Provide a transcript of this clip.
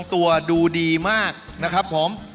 ไอ้กะถิ่นที่เตรียมไว้เนี่ยไม่ต้อง